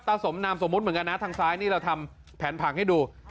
สมนามสมมุติเหมือนกันนะทางซ้ายนี่เราทำแผนผังให้ดู